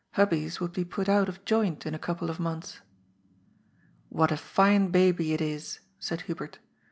Hubbie's would be put out of joint in a couple of months. What a fine baby it is," said Hubert.